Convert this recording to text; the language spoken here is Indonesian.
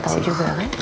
gak tau juga kan